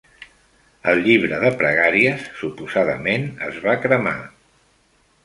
El llibre de pregàries suposadament es va cremar.